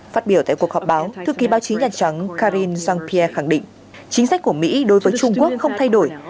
phát biểu tại cuộc họp báo thư ký báo chí nhà trắng karine jean pier khẳng định chính sách của mỹ đối với trung quốc không thay đổi